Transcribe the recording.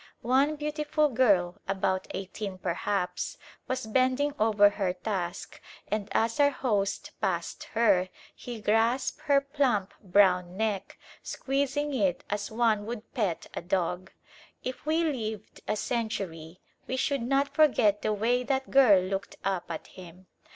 One beautiful girl, about eighteen perhaps, was bending over her task, and as our host passed her he grasped her plump brown neck, squeezing it as one would pet a dog. If we lived a century we should not forget the way that girl looked up at him.